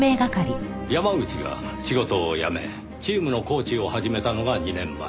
山口が仕事を辞めチームのコーチを始めたのが２年前。